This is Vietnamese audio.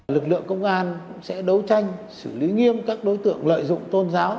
lực lượng công an sẽ đấu tranh xử lý nghiêm các đối tượng lợi dụng tôn giáo